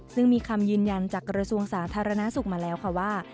ซึ่งมีคำยืนยันจากกระทรวงสาธารณสุขมาแล้วค่ะว่า